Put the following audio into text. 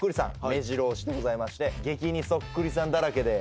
めじろ押しでございまして激似そっくりさんだらけで。